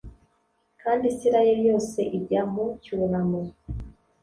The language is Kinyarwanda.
kandi israheli yose ijya mu cyunamo